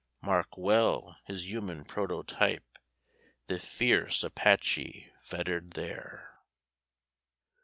Mark well his human prototype, The fierce Apache fettered there.